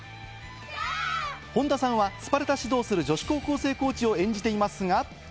本田さんはスパルタ指導する女子高校生コーチを演じていますが。